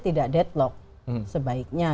tidak deadlock sebaiknya